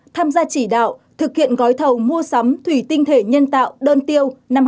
tham gia chỉ đạo thực hiện gói thầu mua sắm thủy tinh thể nhân tạo đơn tiêu năm hai nghìn hai mươi